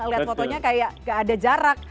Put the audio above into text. lihat fotonya kayak gak ada jarak